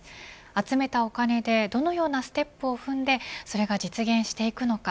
集めたお金でどのようなステップを踏んでそれが実現していくのか。